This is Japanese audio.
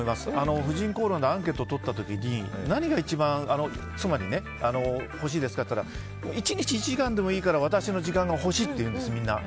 「婦人公論」でアンケートをとった時に妻に何が一番欲しいですかって聞いたら１日、１時間でもいいから私の時間が欲しいというんです。